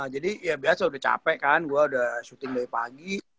jadi ya biasa udah capek kan gue udah shooting dari pagi